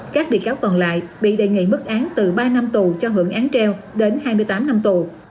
các bị cáo còn lại bị đề nghị mức án từ ba năm tù cho hưởng án treo đến hai mươi tám năm tù